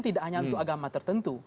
tidak hanya untuk agama tertentu